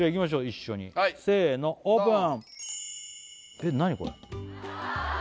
一緒にせのオープン！